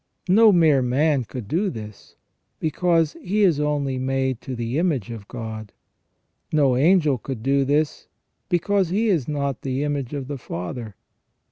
No mere man could do this, because he is only made to the image of God. No angel could do this, because he is not the image of the Father.